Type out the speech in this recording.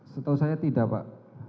setahu saya tidak pak